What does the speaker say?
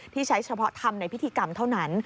ที่ใช้เฉพาะทำในพิธีกรรมเท่านั้น